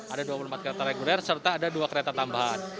ada dua puluh empat kereta reguler serta ada dua kereta tambahan